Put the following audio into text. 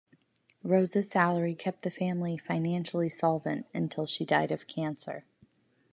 Rose's salary kept the family financially solvent until she died of cancer.